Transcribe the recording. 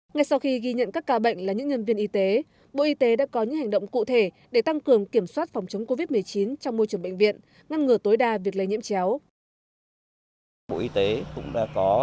ngay sau khi ghi nhận các ca bệnh là những nhân viên y tế bộ y tế đã có những hành động cụ thể để tăng cường kiểm soát phòng chống covid một mươi chín trong môi trường bệnh viện ngăn ngừa tối đa việc lây nhiễm chéo